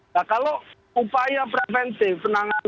nah kalau upaya preventif